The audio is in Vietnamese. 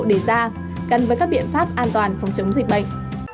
đề ra gần với các biện pháp an toàn phòng chống dịch bệnh